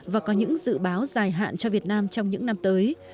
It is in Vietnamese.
và có những dự báo dài hạn cho việt nam trong những năm tới